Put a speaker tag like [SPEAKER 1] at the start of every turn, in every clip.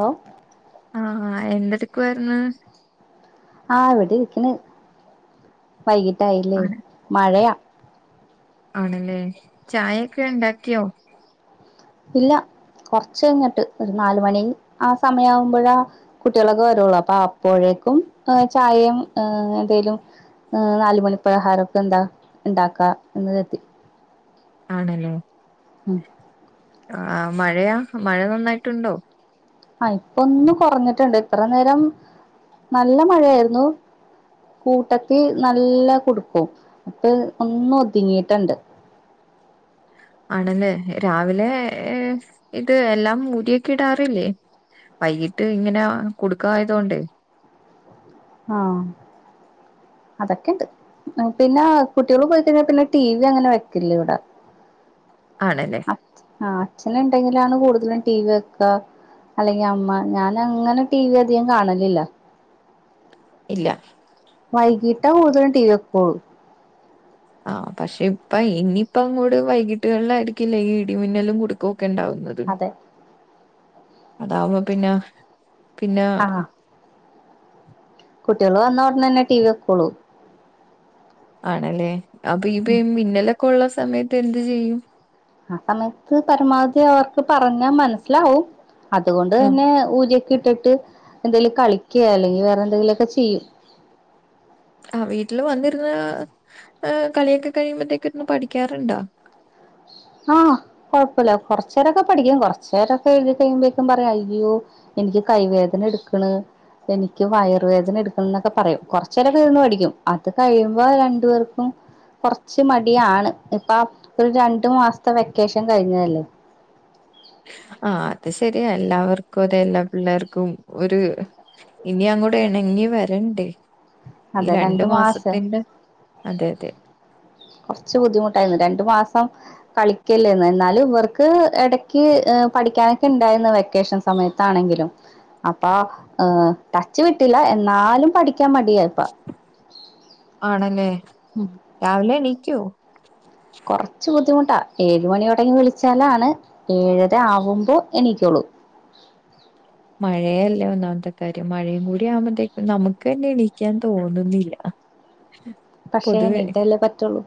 [SPEAKER 1] ഓ
[SPEAKER 2] ആഹ് ആഹ് എന്റെടു ക്കോര്ന്ന്
[SPEAKER 1] ആഹ് ഇവിടെ ഇരിക്കണ് വൈകിട്ടായില്ലേ
[SPEAKER 2] ആണ്
[SPEAKER 1] മഴയാ
[SPEAKER 2] ആണല്ലേ ചായയൊക്കെ ഇണ്ടാക്കിയോ
[SPEAKER 1] ഇല്ല കുറച്ചു കഴിഞ്ഞിട്ട് ഒരു നാലുമണി ആ സമയകുമ്പോഴാ കുട്ടികളൊക്കെ വരുള്ളു അപ്പൊ അപ്പോഴേക്കും ചായയും എന്തേലും നാലുമണി പലഹാരൊക്കെ എന്താ ഇണ്ടാക്കാ എന്ന് കരുതി
[SPEAKER 2] ആണല്ലേ
[SPEAKER 1] ഉം
[SPEAKER 2] ആ മഴയാ മഴ നന്നായിട്ടുണ്ടോ
[SPEAKER 1] ആ ഇപ്പൊ ഒന്ന് കൊറഞ്ഞിട്ടുണ്ട് ഇത്ര നേരം നല്ല മഴയായിരുന്നു കൂട്ടത്തി നല്ല കുടുക്കും ഇപ്പൊ ഒന്ന് ഒതുങ്ങിയട്ടെണ്ട്
[SPEAKER 2] ആണല്ലേ രാവിലേഹ് ഇത് എല്ലാം ഊരിയൊക്കെ ഇടാറ്ല്ലേ വൈകിട്ട് ഇങ്ങനെ കുടുക്കായതു കൊണ്ടെ
[SPEAKER 1] ആഹ് അതൊക്കെ ഇണ്ട്. പിന്നെ കുട്ട്യേള് പോയി കഴിഞ്ഞാ പിന്നെ ടി വി അങ്ങനെ വെക്കില്ല ഇവിടെ
[SPEAKER 2] ആണല്ലേ
[SPEAKER 1] അച്ഛ ആ അച്ഛൻ എണ്ടെങ്കിലാണ് കൂടുത തലും ടി വി വെയ്ക്ക അല്ലെങ്കി അമ്മ ഞാൻ അങ്ങനെ ടി വി അധികം കാണലില്ല
[SPEAKER 2] ഇല്ല
[SPEAKER 1] വൈകിട്ടാ കൂടുതലും ടീവി വെയ്ക്കുള്ളു
[SPEAKER 2] ആഹ് പക്ഷെ ഇപ്പ ഇഞ്ഞിപ്പ അങ്ങോട് വൈകീട്ടുകളിലായിരിക്കില്ലേ ഈ ഇടിമിന്നലും കുടുക്കവും ഒക്കെ എണ്ടാവുന്നത്
[SPEAKER 1] അതെ
[SPEAKER 2] അതാവുമ്പോ പിന്നെ പിന്നെ
[SPEAKER 1] കുട്ടികള് വന്നഒടനെ തന്നെ ടി വി വെക്കൊള്ളൂ
[SPEAKER 2] ആണല്ലേ അപ്പൊ ഇപ്പ മിന്നലോക്ക ളുള്ള സമയത്ത് എന്ത് ചെയ്യും
[SPEAKER 1] ആ സമയത്ത് പരമാവധി അവർക്ക് പറഞ്ഞാ മനസ്സിലാവും അതുകൊണ്ട് തന്നെ ഊര് ഇട്ടിട്ട് എന്തേലും കളികെ അല്ലെങ്കിൽ വേറെ എന്തെങ്കിലുമൊക്കെ ചെയ്യും
[SPEAKER 2] ആഹ വീട്ടില് വന്നിരുന്ന് ഏ കളിയൊക്കെ കഴിയുമ്പോത്തേക്ക് ഇരുന്ന് പഠിക്കാറുണ്ടോ
[SPEAKER 1] ആഹ കൊഴപ്പല്ല കൊറച്ചേരൊക്കെ പഠിക്കും കൊറച്ചേരൊക്കെ എഴുതി കഴിയുമ്പോക്കും പറയും അയ്യോ എനിക്ക് കൈവേദന എടുക്ക്ണ് എനിക്ക് വയറുവേദന എടുക്ക്ണ് എന്നൊക്കെ പറയും കൊറച്ചേരൊക്കെ ഇരുന്ന് പഠിക്കും അത് കഴിയുമ്പോ രണ്ടു പേർക്കും കൊറച്ച് മടിയാണ് ഇപ്പൊ ഒരു രണ്ടു മാസം വെക്കേഷൻ കഴിഞ്ഞതല്ലേ
[SPEAKER 2] ആ അത് ശരിയാ എല്ലാവർക്കും അതെ എല്ലാ പിള്ളേർക്കും ഒരു ഇനി അങ്ങോട്ട് ഇണങ്ങി വരണ്ടേ ഈ
[SPEAKER 1] അതെ
[SPEAKER 2] രണ്ടു
[SPEAKER 1] മാസം
[SPEAKER 2] മാസത്തിന്റെ അതെ അതെ
[SPEAKER 1] കുറച്ച് ബുദ്ധിമുട്ടായിരുന്നു രണ്ടു മാസം കളിക്കില്ലേന്ന് എന്നാല ഇവർക്ക് ഇടക്ക് പഠിക്കാനൊക്കെ ഇണ്ടായിരുന്നു വെക്കേഷൻ സമയത്താണെങ്കിലും അപ്പൊ ടച്ച് വിട്ടില്ല എന്നാലും പഠി
[SPEAKER 2] ആണല്ലേ
[SPEAKER 1] ഉം
[SPEAKER 2] രാവിലെ എണീക്കോ
[SPEAKER 1] കൊറച്ച് ബുദ്ധിമുട്ടാ ഏഴ് മണിയോട്ങ്ങ് വിളിച്ചാലാണ് ഏഴരാവുമ്പോ എണികൊള്ളൂ
[SPEAKER 2] മഴയയല്ലേ ഒന്നാമത്തെ കാര്യം മഴയും കൂടി ആവുമ്പത്തേക്കും നമുക്ക് തന്നെ എണിക്കാൻ തോന്നുന്നില്ല
[SPEAKER 1] പക്ഷേ
[SPEAKER 2] പൊതുവെ
[SPEAKER 1] എണിറ്റല്ലേ പറ്റുള്ളൂ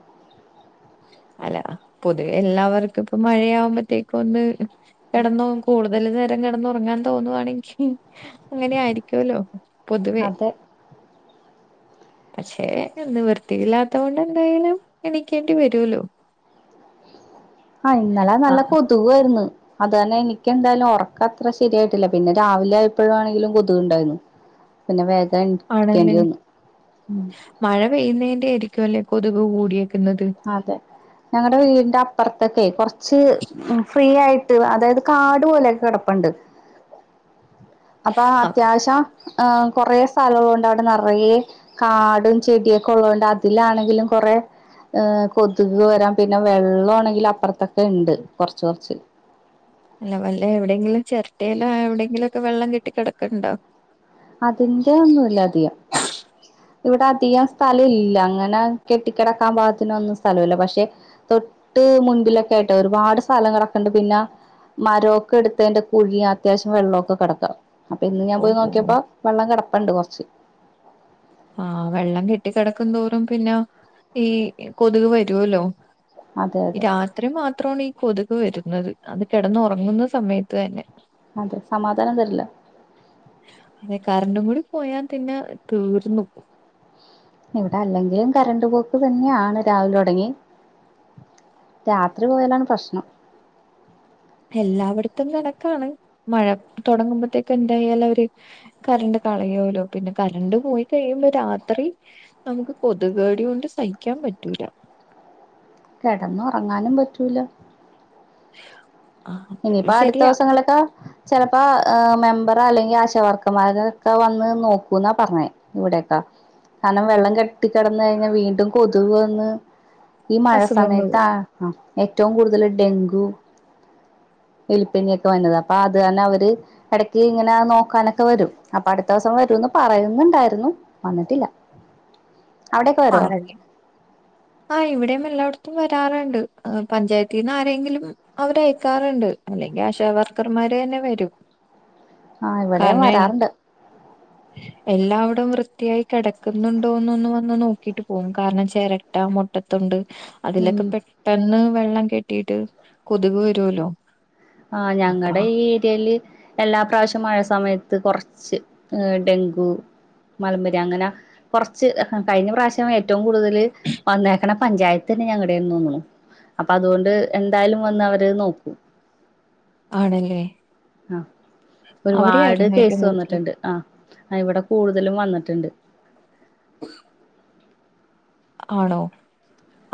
[SPEAKER 2] അല്ല പൊതുവെ എല്ലാവർക്കും ഇപ്പ മഴയാവുമ്പോത്തേക്കും ഒന്ന് കിടന്ന് കൂടും അതില് നേരം കെടന്നുറങ്ങാൻ തോന്നുവാണെങ്കിൽ അങ്ങനെ ആയിരിക്കൊല്ലോ പൊതുവെ
[SPEAKER 1] അതെ
[SPEAKER 2] പക്ഷേ ഒന്ന് വൃത്തിയില്ലാത്തത് കൊണ്ട് എന്തായാലും എണിക്കേണ്ടി വരോല്ലോ
[SPEAKER 1] ആഹ ഇന്നലെ നല്ല കൊതുകായിരുന്നു അതന്നെ എനിക്ക് എന്തായാലും ഒറക്കം അത്ര ശരിയായിട്ടില്ല പിന്നെ രാവിലെ ആയപ്പോയാണെങ്കിലും കൊതുകുണ്ടായിരുന്നു പിന്നെ
[SPEAKER 2] ആണല്ലേ
[SPEAKER 1] എണീക്കേണ്ടി വന്നു
[SPEAKER 2] മഴ പെയ്യുന്നതിന്റെ ആയിരിക്കും ല്ലേ കൊതുക് കൂടിയെ പിന്നത്
[SPEAKER 1] അതെ ഞങ്ങടെ വീടിന്റെ അപ്പർത്തൊക്കെ കൊറച്ച് ഫ്രീ ആയിട്ട് അതായത് കാട് പോലെയൊക്കെ കിടപ്പുണ്ട് അപ്പൊ
[SPEAKER 2] ആ
[SPEAKER 1] അത്യാവശ്യ ആ കൊറെേ സ്ഥലംള്ളത് കൊണ്ട് അവിടെ നെറയെ കാടും ചെടിയൊക്കെ ഉള്ളതത് കൊണ്ട് അതിലാണെങ്കിലും കൊറെ ഏ കൊതുക് വരാം പിന്നെ വെള്ളാണങ്കില് അപ്പർത്തൊക്കെ ഇണ്ട് കൊറച്ച് കൊറച്ച്
[SPEAKER 2] അല്ല വല്ല എവിടെയെങ്കിലും ചിരട്ടല് എവിടെെങ്കിെലൊക്കെവെള്ളം കെട്ടി കിടക്കണ്ടോ
[SPEAKER 1] അതിന്റെ ഒന്നുമല്ല അധികം ഇവിടെ അധികം സ്ഥലം ഇല്ല അങ്ങനെ കെട്ടിക്കിടക്കാൻ പാഗത്തി ഒന്നും സ്ഥലമില്ല പക്ഷെ തൊട്ട് മുൻപിലൊക്കെയിട്ടാ ഒരുപാട് സ്ഥലം കിടക്കണ്ട് പിന്നെ മരമൊക്കെ എടുത്തതിന്റെ കുഴിയ അത്യാവശ്യം വെള്ളമൊക്കെ കിടക്കാം അപ്പൊ ഇന്ന് ഞാൻ പോയി
[SPEAKER 2] ഓഹോ
[SPEAKER 1] നോക്കിയപ്പാ കിടപ്പണ്ട് കൊറച്ച്
[SPEAKER 2] ആഹഹ് വെള്ളം കെട്ടി കിടക്കുന്തോറും പിന്നെ ഈ കൊതുക് വരുല്ലോ
[SPEAKER 1] അതെ അതെ
[SPEAKER 2] രാത്രി മാത്രമാണ് ഈ കൊതു ക് വരുന്നത് അത് കിടന്ന് ഉറങ്ങുന്ന സമയത്ത് തന്നെ.
[SPEAKER 1] അതെ സമാധാനം തരില്ല.
[SPEAKER 2] പോയാൻ തന്നെ തീർ ന്നു.
[SPEAKER 1] ഇവിടെ അല്ലെങ്കിലും കരണ്ട് പോക്ക് തന്നെയാണ് രാവിലെ തുടങ്ങി രാത്രി പോയലാണ് പ്രശ്നം.
[SPEAKER 2] എല്ലായിടത്തും കണക്കാണ് മഴ തൊടങ്ങുമ്പോത്തേക്ക്‌ എന്തായാലും അവര് കറണ്ട് കളയലോ പിന്നെ കറണ്ട് പോയി കഴിയുമ്പോ രാത്രി നമുക്ക് കൊതുക് കടി കൊണ്ട് സഹിക്കാൻ പറ്റൂല.
[SPEAKER 1] കിടന്നു ഉറങ്ങാനും പറ്റൂല.
[SPEAKER 2] ആ
[SPEAKER 1] ഇനിയിപ്പ അടുത്ത
[SPEAKER 2] ശരിയാ
[SPEAKER 1] ദിവസങ്ങളൊക്കെ ചിലപ്പോ മെമ്പറ അല്ലെങ്കിൽ ആശ വർക്കമാരോ വന്ന് നോക്കുന്ന പറഞ്ഞത് ഇവിടെക്കെ കാരണം വെള്ളം കെട്ടി കിടന്നയിഞ്ഞാൽ വീണ്ടും കൊത്ക് വന്ന് ഈ മഴ
[SPEAKER 2] അസുഖങ്ങൾ
[SPEAKER 1] സമയത്ത് ആ ഏറ്റവും കൂടുതൽ ഡെങ്കു എലിപ്പനി ഒക്കെ വന്നത്. അപ്പൊ അത് തന്നെ അവര് ഇടക്ക് ഇങ്ങനെ നോക്കാനൊക്കെ വരും. അപ്പൊ അടുത്ത ദിവസം വരൂന്ന് പറയുന്നുണ്ടായിരുന്നു വന്നിട്ടില്ല. അവിടക്കെ വരോ?
[SPEAKER 2] ആണല്ലേ ആ ഇവിടെയും എല്ലായിടത്തും വരാറുണ്ട്. പഞ്ചായത്തിൽ നിന്ന് ആരെങ്കിലും അവര അയക്കാറുണ്ട്. അല്ലെങ്കിൽ ആശ വർക്കർമാര് തന്നെ വരും.
[SPEAKER 1] ആ ഇവിടെയും
[SPEAKER 2] കാരണേ
[SPEAKER 1] വരാറുണ്ട്
[SPEAKER 2] എല്ലാവിടും വൃ ത്തിയായി കിടക്കുന്നുണ്ടോന്നൊന്ന് വന്ന് നോക്കിയിട്ട് പോകുന്നു കാരണം ചേര ട്ട, മുട്ടത്തൊണ്ട്,
[SPEAKER 1] ഉം
[SPEAKER 2] അതിലൊക്കെ പെട്ടെന്ന് വെള്ളം കെട്ടിട്ട് കൊതുക് വരൂല്ലോ.
[SPEAKER 1] ആഹ് ഞങ്ങടെ ഈ ഏരിയയില് എല്ലാ പ്രാവശ്യം മഴ സ് മയത്ത് കുറച്ച് ഏർ ഡെങ്കു, മലമ്പനി അങ്ങനെ കൊറച്ച് കഴിഞ്ഞ പ്രാവശ്യം ഏറ്റവും കൂടുതൽ വന്നേക്കണ പഞ്ചായത്ത് തന്നെ ഞങ്ങളടെന്ന് തോന്നു അപ്പൊ അതുകൊണ്ട് എന്തായാലും വന്ന് അവര് നോക്കും.
[SPEAKER 2] ആണല്ലേ?
[SPEAKER 1] ആ ഒരുപാട്
[SPEAKER 2] അവിടെയായിരുന്നു
[SPEAKER 1] കേസ്
[SPEAKER 2] ഏറ്റവും കൂടുതൽ
[SPEAKER 1] വന്നിട്ടുണ്ട്. ആഹ് ഇവിടെ കൂടുതലും വന്നിട്ടുണ്ട്.
[SPEAKER 2] ആണോ?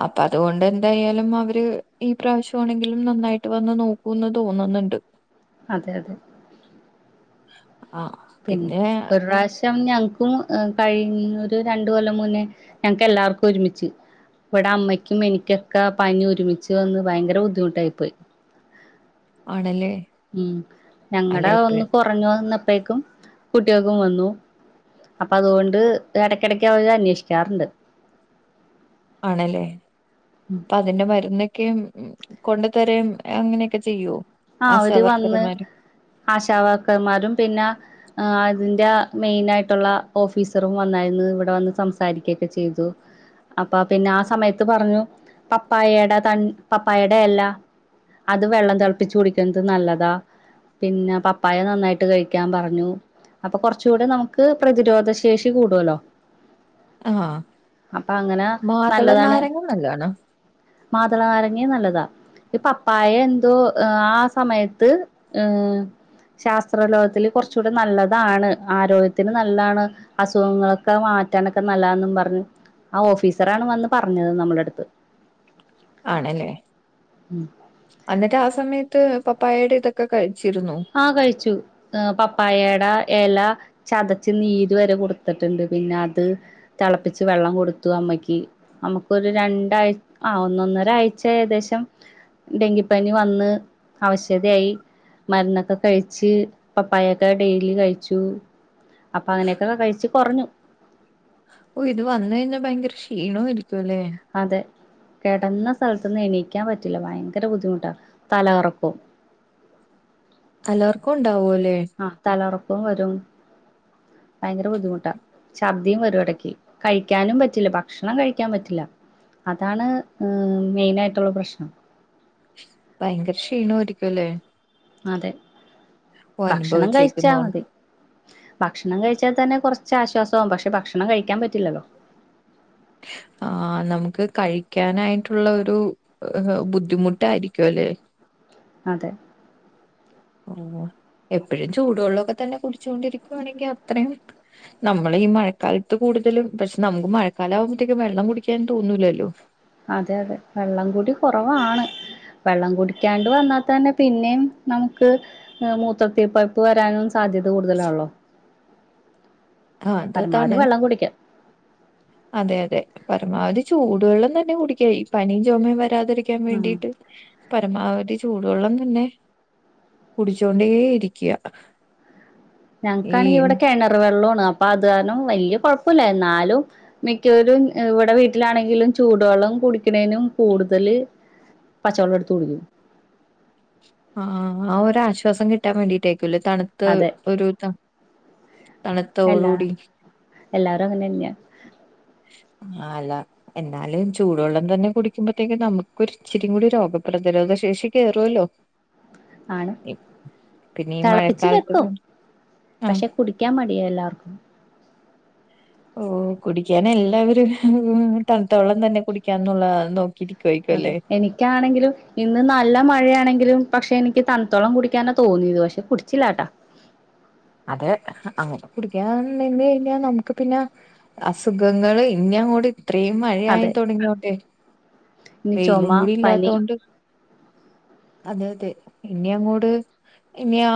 [SPEAKER 2] അപ്പൊ അതുകൊണ്ട് എന്തായാലും അവര് ഈ പ്രാവശ്യംമാണെങ്കിലും നന്നായിട്ട് വന്ന് നോക്കൂന്ന് തോന്നുന്നുണ്ട്.
[SPEAKER 1] അതെ അതെ.
[SPEAKER 2] ആ
[SPEAKER 1] പിന്
[SPEAKER 2] പിന്നെ
[SPEAKER 1] ഒരു പ്രാവശ്യം ഞ ക്കും ഏ കഴിഞ്ഞ ഒരു രണ്ടു കൊല്ലം മുന്നേ ഞങ്ങക്ക് എല്ലാർക്കും ഒരുമിച്ച് ഇവിടെ അമ്മയ്ക്കും എനിക്കൊക്കെ പനി ഒരുമിച്ച് വന്ന് ഭയങ്കര ബുദ്ധിമുട്ടായി പോയി
[SPEAKER 2] ആണല്ലേ
[SPEAKER 1] ഉം ഞങ്ങടെ
[SPEAKER 2] അല്ലെ ഇപ്പ
[SPEAKER 1] ഒന്ന് കൊറഞ്ഞു വന്ന അപ്പേക്കും കുട്ടിയള്ക്കും വന്നു. അപ്പൊ അതുകൊണ്ട് എടക്കെടക്ക് അവര് അന്വേഷിക്കാറുണ്ട്
[SPEAKER 2] ആണല്ലേ അപ്പൊ അതിന്റെ മരുന്നെ ക്കെയും കൊണ്ടു തരേയും അങ്ങനെയൊക്കെ ചെയ്യോ
[SPEAKER 1] ആ അവര് വന്ന്
[SPEAKER 2] ആശാവർക്കർമാര്
[SPEAKER 1] ആശാവർക്കർമാരും പിന്നെ ആ അതിന്റെ മെയിനായിട്ടുള്ള ഓഫീസറും വന്നായിരുന്നു. ഇവിടെ വന്ന് സംസാരിക്കയൊക്കെ ചെയ്തു. അപ്പാ പിന്നെ ആ സമയത്ത് പറഞ്ഞു പപ്പായേടെ ത പപ്പായേടെ എല്ലാ അത് വെള്ളം തെള് പ്പിച്ചു കുടിക്കുന്നത് നല്ലതാ പിന്നെ പപ്പായ നന്നായിട്ട് കഴിക്കാൻ പറഞ്ഞു അപ്പൊ കൊർച്ചൂടെ നമുക്ക് പ്രതിരോധ ശേഷി കൂടുല്ലോ
[SPEAKER 2] ആ മാതള
[SPEAKER 1] നല്ലതാണ്
[SPEAKER 2] നാരങ്ങും നല്ലതാണ്
[SPEAKER 1] മാതള നാരങ്ങിം നല്ലതാ ഈ പപ്പായ എ തോ ആ സമയത്ത് ശാസ്ത്രലോകത്തില് കൊർച്ചുടെ നല്ലതാണ് ആരോഗ്യത്തിന് നല്ലതാണ് അസുഖങ്ങളൊക്കെ മാറ്റാനൊക്കെ നല്ലാംന്നും പർഞ്ഞ് ആ ഓഫീസറാണ് വന്ന് പർഞ്ഞത് നമ്മളെട്ത്ത്
[SPEAKER 2] ആണല്ലേ അന്നിട്ട് ആ സമയ ത്ത് പപ്പായെടെ ഇതൊക്കെ കഴി
[SPEAKER 1] ആ കഴിച്ചു പപ്പായെടെ എല ചതച്ച് നീര് വരെ കൊട്ത്ത്ട്ട്ണ്ട് പിന്നെ അത് തളപ്പിച്ച് വെള്ളം കൊടുത്തു അമ്മക്കി അമ്മക്കൊരു രണ്ടാഴ്ച്ച ആ ഒന്നൊന്നരാഴ്ച്ച ഏകദേശം ഡെങ്കിപ്പനി വന്ന് അവശതയായി മരുന്നൊക്കെ കഴിച്ച് പപ്പായൊക്കെ ഡെയ്‌ലി കഴിച്ചു അപ്പൊ അങ്ങനെയൊക്കെ കെകഴിച്ച് കൊറഞ്ഞു
[SPEAKER 2] ഓ ഇത് വന്നഴിഞ്ഞാ ഭയങ്കര ക്ഷീണോയിരി ക്കു ല്ലെ
[SPEAKER 1] കെടന്ന സ്ഥൽത്ത്ന്ന് എണീക്കാൻ പറ്റില്ല ഭയങ്കര ബുദ്ധിമുട്ടാ തലകറക്കവും
[SPEAKER 2] തലകറക്കൂണ്ടാവോ
[SPEAKER 1] ആ തലകറ ക്കും വരും ഭയങ്കര ബുദ്ധിമുട്ടാ ശർദ്ദിയും വരുഎടക്ക് കഴിക്കാനും പറ്റില്ല ഭക്ഷണം കഴിക്കൻ പറ്റില്ല അതാണ് മെയ്നായിട്ടുള്ള പ്രശ്നം
[SPEAKER 2] ഭയങ്കര ക്ഷീണമായിരിക്കുല്ലേ
[SPEAKER 1] അതെ ഭക്ഷണം കഴിച്ചാ
[SPEAKER 2] അനുഭവിച്ചേക്കുന്നോണ്ട്
[SPEAKER 1] മതി ഭക്ഷണം കഴിച്ചാൽ തന്നെ കൊറച്ചാശ്വാസാകും പക്ഷെ ഭക്ഷണം കഴിക്കാൻ പറ്റില്ലല്ലോ
[SPEAKER 2] ആ നമുക്ക് കഴിക്കാനായിട്ടുള്ളാരു ബുദ്ധിമുട്ടായിരിക്കും അല്ലേ
[SPEAKER 1] അതെ
[SPEAKER 2] ഊവ് എപ്പഴും ചൂടുവെള്ളൊക്കെ തന്നെ കുടിച്ചു കൊണ്ടിരിക്കുവാണെങ്കി അത്രയും നമ്മള് ഈ മഴക്കാലത്ത് കൂടുതലും പക്ഷെ നമുക്ക് മഴക്കാല ആകുമ്പോത്തേക്കും വെള്ളം കുടിക്കാൻ തോന്നൂലല്ലോ
[SPEAKER 1] അതെ അതെ വെള്ളംകുടി കൊ റവാണ് വെള്ളം കുടിക്കാണ്ട് വന്നാ തന്നെ പിന്നെയും നമുക്ക് മൂത്രത്തി പഴുപ്പ് വരാനും സാധ്യത കൂടുതലാള്ളോ
[SPEAKER 2] ആ അത് താണ്
[SPEAKER 1] വെള്ളം കുടിക്കാം
[SPEAKER 2] അതെ യതെ പരമാവധി ചൂടുവെള്ളം തന്നെ കുടിയ്ക്ക ഈ പനിം ചൊമെം വ രാതിരിക്കാൻ
[SPEAKER 1] ആഹ്
[SPEAKER 2] വേണ്ടിട്ട് പരമാവധി ചൂടുവെള്ളം തന്നെ കുടിച്ചോണ്ടേ ഇരിക്ക
[SPEAKER 1] ഞൻക്കാണെ ഇവിടെ കെണറ് വെള്ളൊ ന്നാ പാതാരണം വെല്ല്യ കൊഴപ്പൂല്ല എന്നാലും മിക്കവരും അ് ഇവിടെ വീട്ടിലാണെങ്കിലും ചൂടുവെള്ളം കുടിക്കണേനും കൂടുതല് പച്ചവെള്ളം എടുത്ത് കുടിക്കും
[SPEAKER 2] ആ ആ ഒരാശ്വാസം കിട്ടാൻ വേണ്ടിട്ടേ [unintelligible] തണുത്ത
[SPEAKER 1] അതെ
[SPEAKER 2] ഒരു ത തണുത്ത
[SPEAKER 1] എല്ലാ
[SPEAKER 2] ഓകൂടി
[SPEAKER 1] എല്ലാരും അങ്ങനെ തന്നെയാ
[SPEAKER 2] ആ അല്ല എന്നാലും ചൂടുവെള്ളം തന്നെ കുടിക്കുമ്പോത്തേക്ക് നമുക്കൊരിച്ചിരി കൂടി രോഗപ്രതിരോധ ശേഷി കേറോല്ലോ
[SPEAKER 1] ആണ്
[SPEAKER 2] പിന്നെ ഈ
[SPEAKER 1] തെളപ്പിച്ച് വെക്കും
[SPEAKER 2] മഴക്കാലത്ത് ആ
[SPEAKER 1] പക്ഷെ കുടിക്കാൻ മടിയാ എല്ലാർക്കും
[SPEAKER 2] ഓ കുടിക്കാനെല്ലാവരും തണുത്ത വെള്ളം തന്നെ കുടിക്കാന്നുള്ള നോക്കിയിരി
[SPEAKER 1] അതെ എനിക്കാണെങ്കിലും ഇന്ന് നല്ല മഴയാണെങ്കിലും പക്ഷെ എനിക്ക് തണ്ത്തള്ളം കുടിക്കാനാണ് തോന്നിയത് പക്ഷെ കുടിച്ചില്ലാട്ടാ
[SPEAKER 2] അതെ അങ്ങനെ കുടിക്കാതെ നിന്ന് കഴിഞ്ഞാല് നമുക്ക് പിന്നെ അസുഖങ്ങള് ഇങ്ങനെങ്ങോട്ട് ഇത്രയും മഴയായി
[SPEAKER 1] അതെ
[SPEAKER 2] തൊടങ്ങിയോണ്ടെ
[SPEAKER 1] ഇനി
[SPEAKER 2] വെയിലും
[SPEAKER 1] ചുമ
[SPEAKER 2] കൂടി
[SPEAKER 1] പനി
[SPEAKER 2] ഇല്ലാത്തോണ്ട് അതെ അതെ ഇനി അങ്ങോട് ഇനി ആ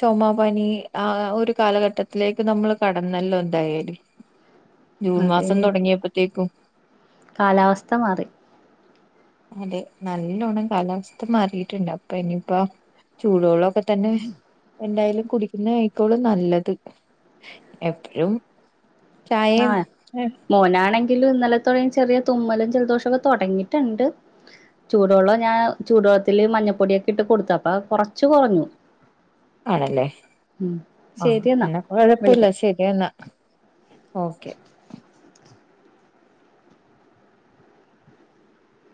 [SPEAKER 2] ചൊമാ പനി ആ ഒരു കാലഘട്ടത്തിലേക്ക് നമ്മള് കടന്നെല്ലോ എന്തായാലും ജൂൺ
[SPEAKER 1] അതെ
[SPEAKER 2] മാസം
[SPEAKER 1] ഇനി
[SPEAKER 2] തൊടങ്ങിയപ്പത്തേക്കും
[SPEAKER 1] കാലാവസ്ഥ മാറി.
[SPEAKER 2] അതെ നല്ലോണ്ണം കാലാവസ്ഥ മാറിയിട്ടുണ്ട് അപ്പൊ ഇനിയിപ്പ ചൂടോള്ളം ഇപ്പൊത്തന്നെ എന്തായാലും ന്നേ ആയിക്കോളും നല്ലത് എപ്പഴും ചായയും
[SPEAKER 1] ആഹ് മോനാണെങ്ക് [unintelligible] ഇന്നലെത്തൊടങ്ങി ചെറിയ തുമ്മലും ജലദോഷൊക്കെ തൊടങ്ങിയിട്ടുണ്ട് ചൂടുവെള്ളം ഞാൻ ചൂടുവെള്ളത്തില് മഞ്ഞപ്പൊടിയൊക്കെ ഇട്ട് കൊടുത്തു അപ്പ കൊറച്ച് കൊറഞ്ഞു.
[SPEAKER 2] ആണല്ലേ ആഹ് എന്നാ
[SPEAKER 1] വിളിക്കാം
[SPEAKER 2] കൊഴപ്പൊല്ല ശരിയെന്നാ ഓക്കെ